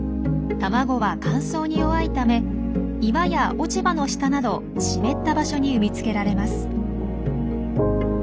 卵は乾燥に弱いため岩や落ち葉の下など湿った場所に産み付けられます。